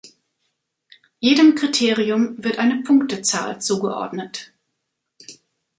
Jedem Kriterium wird eine Punktezahl zugeordnet.